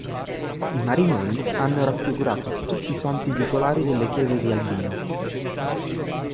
I Marinoni hanno raffigurato tutti i santi titolari delle chiese di Albino.